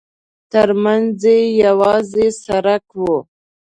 ترمنځ یې یوازې سړک و.